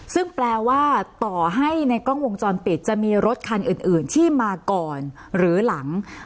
ซึ่งแปลว่าต่อให้ในกล้องวงจรปิดจะมีรถคันอื่นที่มาก่อนหรือหลัง